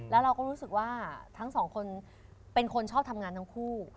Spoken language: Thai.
แล้วเราก็รู้สึกว่าทั้งสองคนเป็นคนชอบทำงานทั้งคู่